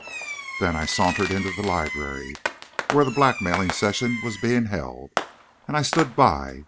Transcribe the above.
"Then I sauntered into the library, where the blackmailing session was being held, and I stood by.